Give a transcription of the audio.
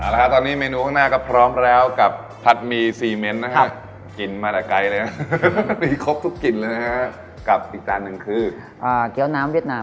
แล้วก็พร้อมแล้วกับผัดมีเซเม้นซ์นะครับกินมาตะไกลแล้วครับไม่ครบซุปกินเลยกับอีกจานกันคืออ่าเกรี้ยวน้ำเรียดนาม